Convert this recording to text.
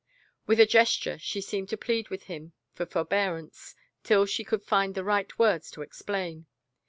With a gesture she seemed to plead with him for for bearance till she could find the right words to explain